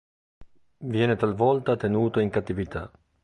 Viene talvolta tenuto in cattività.